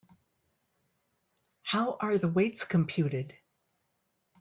How are the weights computed?